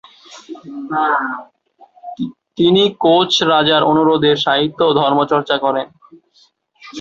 তিনি কোচ রাজার অনুরোধে সাহিত্য ও ধর্ম চর্চা করেন।